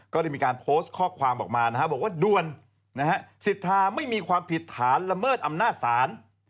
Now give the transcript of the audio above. ก็มีการโพสต์ข้อความออกมานะฮะ